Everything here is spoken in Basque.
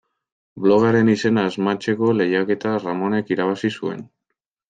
Blogaren izena asmatzeko lehiaketa Ramonek irabazi zuen.